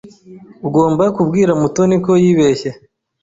Ugomba kubwira Mutoni ko yibeshye.